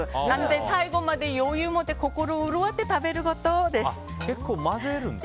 最後まで余裕をもって心潤って食べることです。